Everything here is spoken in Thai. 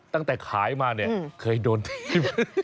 ตั้งแต่ขายมาเนี่ยเคยโดนทิ้ง